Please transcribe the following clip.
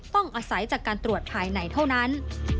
ต้องอาศัยจากการตรวจภายในเท่านั้น